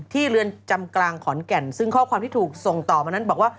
เรือนจำกลางขอนแก่นซึ่งข้อความที่ถูกส่งต่อมานั้นบอกว่า